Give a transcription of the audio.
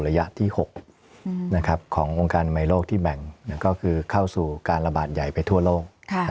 ระยะที่๖ของวงการใหม่โลกที่แบ่งก็คือเข้าสู่การระบาดใหญ่ไปทั่วโลก